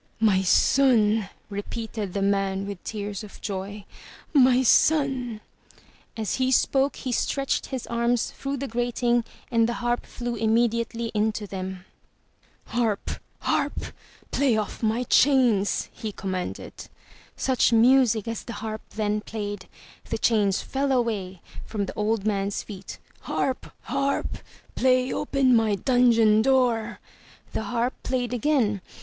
"My son!" repeated the man with tears of joy. "My son!" As he spoke, he stretched his arms through the grating and the Harp flew immediately into them. 384 UP ONE PAIR OF STAIRS *'Harp! Harp! Play off my chains!'' he commanded. Such music as the Harp then played! The chains fell away from the old man's feet. ''Harp! Harp! Play open my dungeon door!" The Harp played again.